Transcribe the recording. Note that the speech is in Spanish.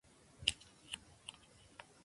Su padre es más permisivo.